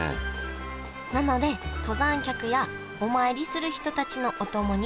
なので登山客やお参りする人たちのお供に人気なんです。